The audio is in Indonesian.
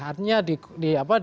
artinya di apa